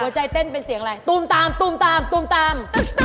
ใจเต้นเป็นเสียงอะไรตูมตามตูมตามตูมตาม